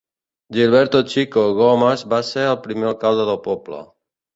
Gilberto Chico Gomez va ser el primer alcalde del poble.